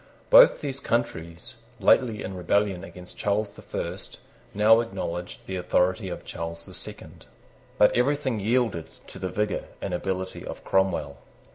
Both those countries, lately in rebellion against Charles the First, now acknowledged the authority of Charles the Second. But everything yielded to the vigour and ability of Cromwell.